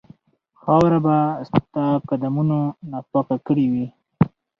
خاوره به ستا قدمونو ناپاکه کړې وي.